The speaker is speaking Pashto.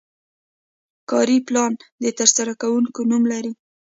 کاري پلان د ترسره کوونکي نوم لري.